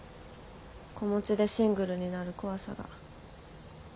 子持ちでシングルになる怖さが。